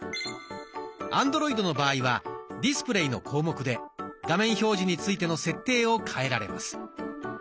アンドロイドの場合は「ディスプレイ」の項目で画面表示についての設定を変えられます。